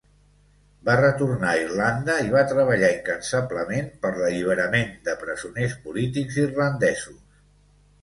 Va retornar a Irlanda i va treballar incansablement per l'alliberament de presoners polítics irlandesos.